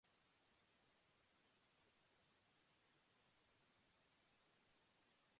Moreover, the internet has made it much easier to access information and resources quickly.